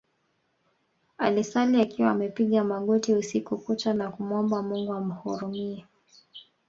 Alisali akiwa amepiga magoti usiku kucha na kumuomba Mungu amhurumie